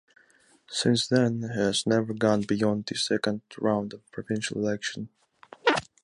Since then, he has never gone beyond the second round of provincial election.